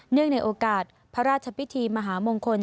ในโอกาสพระราชพิธีมหามงคล